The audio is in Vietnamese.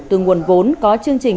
từ nguồn vốn có chương trình